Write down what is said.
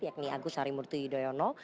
yakni agus harimurti yudhoyono